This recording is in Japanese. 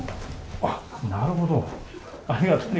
あっ、なるほど。